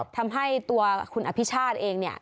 ทำให้ตัวคุณอภิชาติเองเนี่ย